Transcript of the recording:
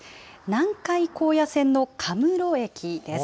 南海高野線の学文路駅です。